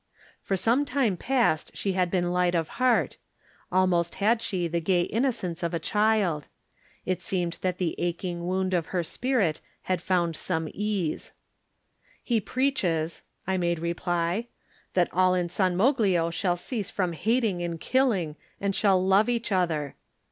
For some time past she had been light of heart; almost had she the gay innocence of a child. It seemed that the aching wound of her spirit had found some ease. "He preaches,"" I made reply, "that all in San Moglio shall cease from hating and killing and shall love one another."